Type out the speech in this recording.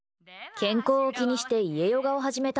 健康を気にして家ヨガを始めた。